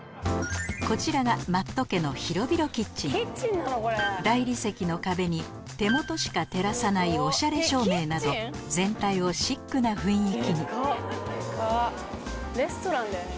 こちらが大理石の壁に手元しか照らさないおしゃれ照明など全体をシックな雰囲気にレストランだよね。